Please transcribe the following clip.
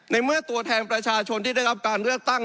เมื่อตัวแทนประชาชนที่ได้รับการเลือกตั้ง